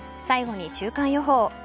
最後に週間予報。